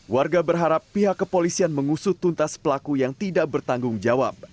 warga berharap pihak kepolisian mengusut tuntas pelaku yang tidak bertanggung jawab